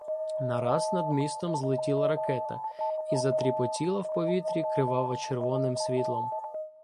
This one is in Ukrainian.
Нараз над містом злетіла ракета і затріпотіла в повітрі криваво-червоним світлом.